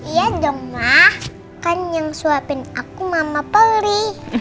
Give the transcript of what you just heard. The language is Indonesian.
iya dong ma kan yang suapin aku mama peli